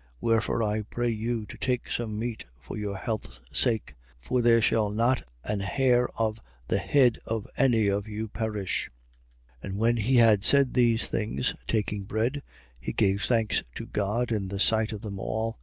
27:34. Wherefore, I pray you to take some meat for your health's sake: for there shall not an hair of the head of any of you perish. 27:35. And when he had said these things, taking bread, he gave thanks to God in the sight of them all.